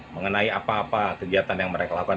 mengenai apa apa kegiatan yang mereka lakukan